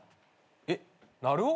えっなるお？